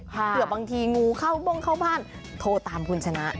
เผื่อบางทีงูเข้าบ้งเข้าบ้านโทรตามคุณชนะ